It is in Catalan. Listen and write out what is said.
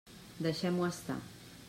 Deixem-ho estar.